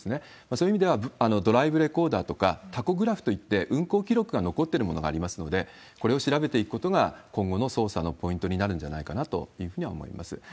そういう意味では、ドライブレコーダーとか、たこグラフといって、運行記録が残っているものがありますので、これを調べていくことが今後の捜査のポイントになるんじゃないかなというふうには思います。